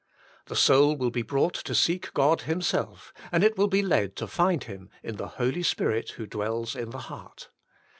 The soul will be brought to seek God Him self, and it will be led to find Him in the Holy Spirit who dwells in the heart.